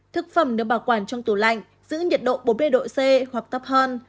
thực phẩm được bảo quản trong tủ lạnh giữ nhiệt độ bốn mươi độ c hoặc tấp hơn